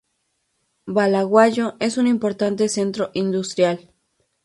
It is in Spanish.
Bulawayo es un importante centro industrial.